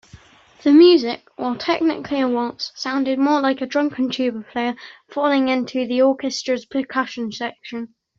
The music, while technically a waltz, sounded more like a drunken tuba player falling into the orchestra's percussion section.